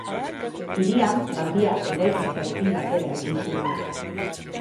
Hirian tranbia eraikitzearekin batera egin ziren.